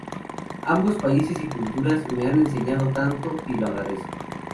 Ambos países y culturas me han enseñado tanto y lo agradezco.